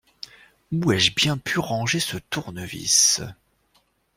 Où ai-je bien pu ranger ce tournevis?